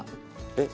えっ⁉